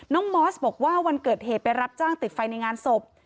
มอสบอกว่าวันเกิดเหตุไปรับจ้างติดไฟในงานศพ